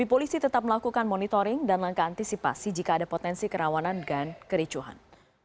polisi tetap melakukan monitoring dan langkah antisipasi jika ada potensi kerawanan dan kericuhan